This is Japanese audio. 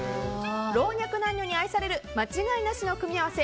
老若男女に愛される間違いなしの組み合わせ